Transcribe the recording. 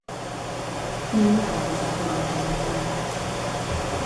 Qui hi ha a la direcció de la pel·lícula?